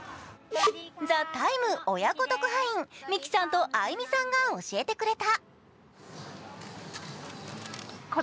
ＴＨＥＴＩＭＥ母娘特派員、ミキさんとアイミさんが教えてくれた。